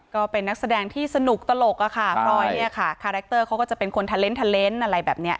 ก็เป็นนักแสดงที่สนุกตลกอะค่ะพรอยเนี่ยค่ะคาแรคเตอร์เขาก็จะเป็นคนทะเลนเทอร์เลนส์อะไรแบบนี้